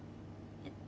えっ？